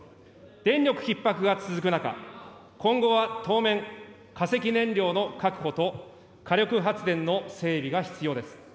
電力ひっ迫が続く中、今後は当面、化石燃料の確保と、火力発電の整理が必要です。